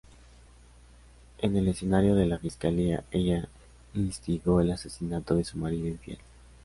En el escenario de la fiscalía, ella instigó el asesinato de su marido infiel.